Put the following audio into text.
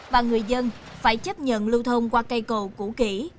và người dân phải chấp nhận lưu thông qua cây cầu cũ kỹ